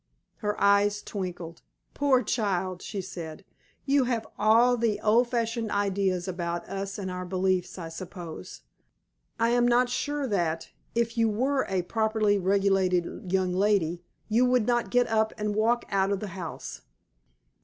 Her eyes twinkled. "Poor child," she said, "you have all the old fashioned ideas about us and our beliefs, I suppose. I am not sure that, if you were a properly regulated young lady, you would not get up and walk out of the house."